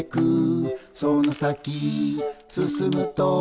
「その先進むと」